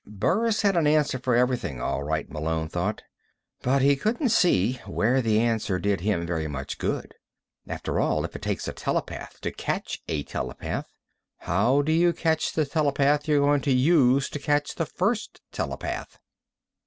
Burris had an answer for everything, all right, Malone thought. But he couldn't see where the answer did him very much good. After all, if it takes a telepath to catch a telepath, how do you catch the telepath you're going to use to catch the first telepath?